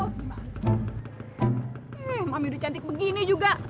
hmm mami udah cantik begini juga